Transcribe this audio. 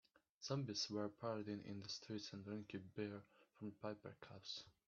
Zombies were parading in the streets and drinking beer from paper cups.